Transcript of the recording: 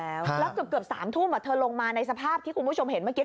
แล้วเกือบ๓ทุ่มเธอลงมาในสภาพที่คุณผู้ชมเห็นเมื่อกี้